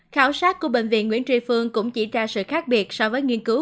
khảo sát của bệnh viện nguyễn tri phương cũng chỉ ra sự khác biệt so với nghiên cứu